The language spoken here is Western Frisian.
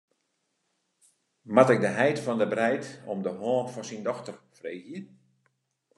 Moat ik de heit fan de breid om de hân fan syn dochter freegje?